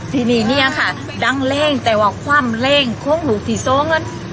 ทีดีเนี้ยคะดังเล่งแต่ว่าความเล่งโภงหลุกที่สอง